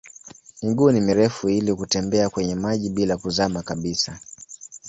Miguu ni mirefu ili kutembea kwenye maji bila kuzama kabisa.